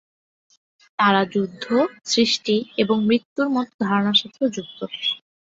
তাঁরা যুদ্ধ, সৃষ্টি এবং মৃত্যুর মতো ধারণার সাথেও যুক্ত।